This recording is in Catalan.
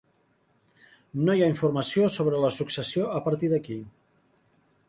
No hi ha informació sobre la successió a partir d'aquí.